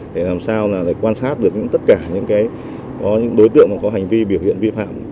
để làm sao quan sát được tất cả những đối tượng có hành vi biểu hiện vi phạm